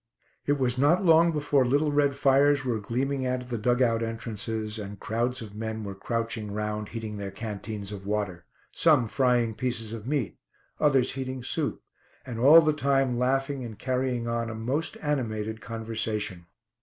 It was not long before little red fires were gleaming out of the dug out entrances, and crowds of men were crouching round, heating their canteens of water, some frying pieces of meat, others heating soup, and all the time laughing and carrying on a most animated conversation.